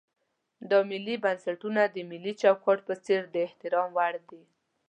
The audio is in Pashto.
دا ملي بنسټونه د ملي چوکاټ په څېر د احترام وړ دي.